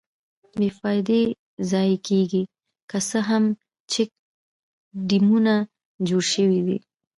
بې فایدې ضایع کېږي، که څه هم چیک ډیمونه جوړ شویدي.